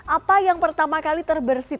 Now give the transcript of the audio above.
apa yang pertama kali terbersih